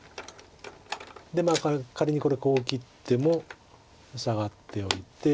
で仮にこれ切ってもサガっておいて。